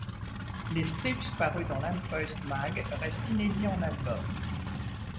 Les strips parus dans Lanfeust Mag restent inédits en albums.